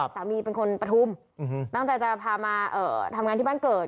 เป็นคนปฐุมตั้งใจจะพามาทำงานที่บ้านเกิด